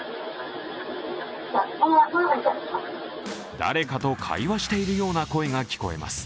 誰かと会話しているような声が聞こえます。